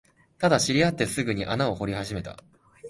ただ、知り合ってすぐに穴を掘り始めた